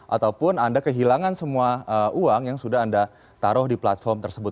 ataupun anda kehilangan semua uang yang sudah anda taruh di platform tersebut